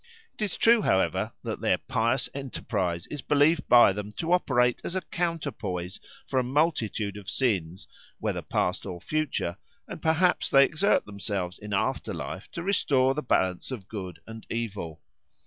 It is true, however, that their pious enterprise is believed by them to operate as a counterpoise for a multitude of sins, whether past or future, and perhaps they exert themselves in after life to restore the balance of good and evil.